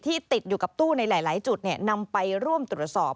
ติดอยู่กับตู้ในหลายจุดนำไปร่วมตรวจสอบ